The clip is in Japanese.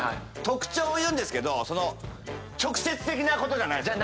特徴を言うんですけど直接的なことじゃないです。